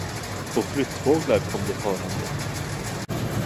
Och flyttfåglar kom det farande.